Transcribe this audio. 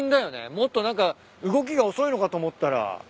もっと何か動きが遅いのかと思ったら。